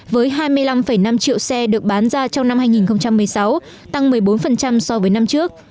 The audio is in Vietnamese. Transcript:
với hai mươi năm năm triệu xe được bán ra trong năm hai nghìn một mươi sáu tăng một mươi bốn so với năm trước